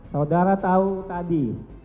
saudara tahu tadi